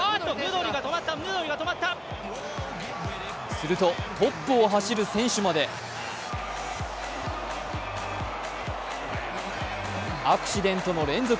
するとトップを走る選手までアクシデントの連続。